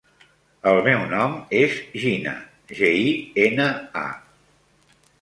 El meu nom és Gina: ge, i, ena, a.